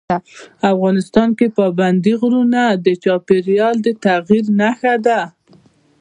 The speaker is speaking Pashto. افغانستان کې پابندی غرونه د چاپېریال د تغیر نښه ده.